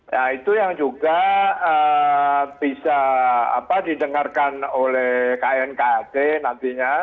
ya itu yang juga bisa didengarkan oleh knkt nantinya